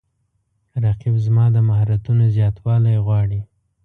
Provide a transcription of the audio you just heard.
رقیب زما د مهارتونو زیاتوالی غواړي